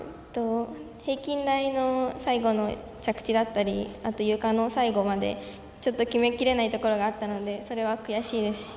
平均台の最後の着地だったりあと、ゆかの最後まで決めきれないところがあったのでそれは悔しいですし。